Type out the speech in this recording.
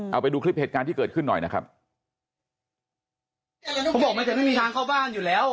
เอาไปดูคลิปเหตุการณ์ที่เกิดขึ้นหน่อยนะครับเขาบอกมันจะไม่มีทางเข้าบ้านอยู่แล้ว